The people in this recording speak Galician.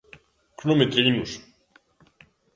Cronometreinos.